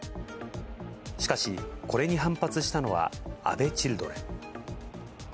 しかし、これに反発したのは安倍チルドレン。